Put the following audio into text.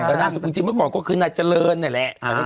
แต่นางสุกจริงเมื่อก่อนก็คือนายเจริญนี่แหละ